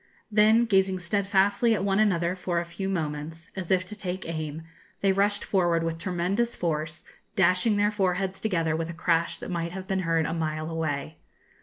Then, gazing steadfastly at one another for a few moments, as if to take aim, they rushed forward with tremendous force, dashing their foreheads together with a crash that might have been heard a mile away.